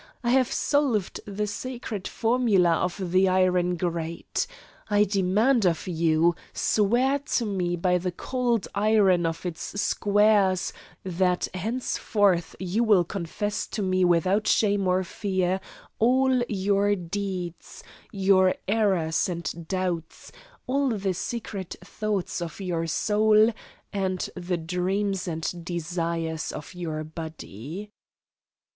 I have solved the sacred formula of the iron grate! I demand of you swear to me by the cold iron of its squares that henceforth you will confess to me without shame or fear all your deeds, your errors and doubts, all the secret thoughts of your soul and the dreams and desires of your body!"